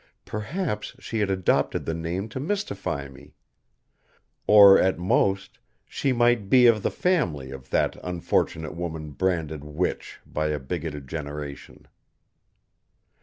Perhaps she had adopted the name to mystify me. Or at most, she might be of the family of that unfortunate woman branded witch by a bigoted generation.